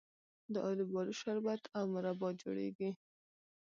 د الوبالو شربت او مربا جوړیږي.